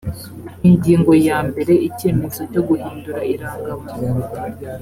ingingo ya mbere icyemezo cyo guhindura irangamuntu